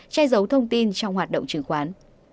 che giấu thông tin trong hoạt động trường khoán